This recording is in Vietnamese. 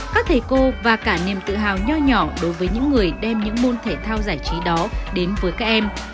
các thầy cô và cả niềm tự hào nho nhỏ nhỏ đối với những người đem những môn thể thao giải trí đó đến với các em